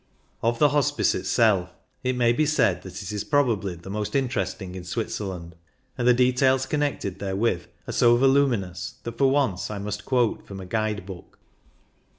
Of the Hospice itself, it may be said that it is probably the most interesting in Switzer land, and the details connected therewith are so voluminous that for once I must quote from a guide book.